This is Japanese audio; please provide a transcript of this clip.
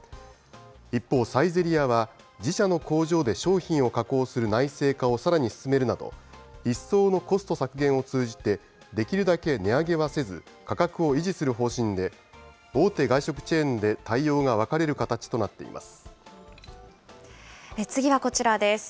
一方、サイゼリヤは自社の工場で商品を加工する内製化をさらに進めるなど、一層のコスト削減を通じて、できるだけ値上げはせず、価格を維持する方針で、大手外食チェーンで対応が分かれる形となってい次はこちらです。